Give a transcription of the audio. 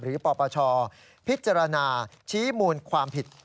ปปชพิจารณาชี้มูลความผิด